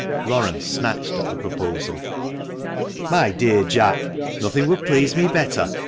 Laurence snatched at the proposal. " My dear Jack, nothing would please me better